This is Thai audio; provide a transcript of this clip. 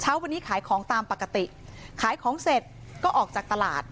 วันนี้ขายของตามปกติขายของเสร็จก็ออกจากตลาด